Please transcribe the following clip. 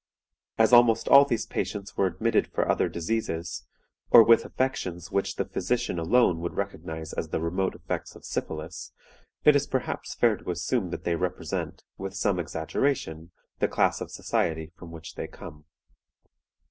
"As almost all these patients were admitted for other diseases, or with affections which the physician alone would recognize as the remote effects of syphilis, it is perhaps fair to assume that they represent, with some exaggeration, the class of society from which they come.